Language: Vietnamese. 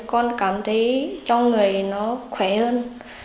con cảm thấy cho người nó khỏe hơn